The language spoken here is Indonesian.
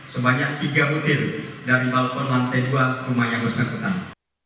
sebanyak tiga butir dari bawah lantai dua rumah yang bersangkutan